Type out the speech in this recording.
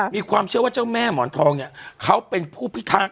มีความเชื่อว่าเจ้าแม่หมอนทองเนี่ยเขาเป็นผู้พิทักษ์